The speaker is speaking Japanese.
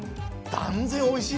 断然おいしい。